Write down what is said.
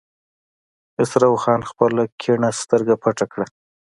خسرو خان خپله کيڼه سترګه پټه کړه.